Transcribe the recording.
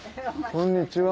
こんにちは。